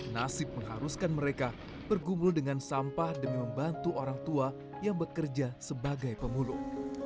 nasib mengharuskan mereka bergumul dengan sampah demi membantu orang tua yang bekerja sebagai pemulung